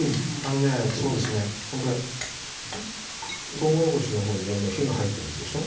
とうもろこしの方にはもう火が入ってますでしょ？